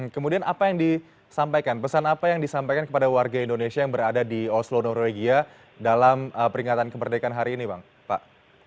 kemudian apa yang disampaikan pesan apa yang disampaikan kepada warga indonesia yang berada di oslo norwegia dalam peringatan kemerdekaan hari ini bang pak